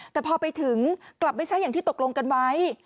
แต่พอไปถึงกลับไม่ใช่อย่างที่ตกลงกันไว้